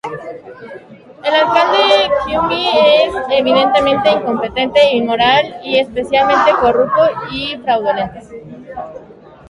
El alcalde Quimby es evidentemente incompetente e inmoral y especialmente corrupto y fraudulento.